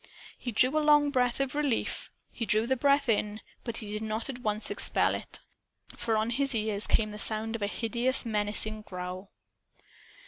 He drew a long breath of relief. He drew the breath in. But he did not at once expel it. For on his ears came the sound of a hideous menacing growl.